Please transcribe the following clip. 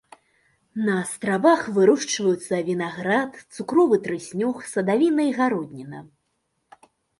На астравах вырошчваюцца вінаград, цукровы трыснёг, садавіна і гародніна.